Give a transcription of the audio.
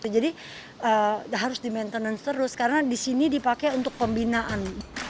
jadi harus di maintenance terus karena di sini dipakai untuk pembinaan